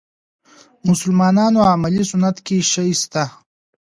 مسلمانانو عملي سنت کې شی شته.